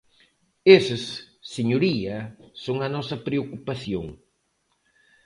Eses, señoría, son a nosa preocupación.